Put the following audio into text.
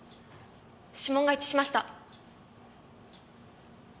指紋が一致しました。